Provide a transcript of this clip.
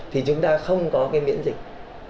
thì chúng ta không có cái miễn dịch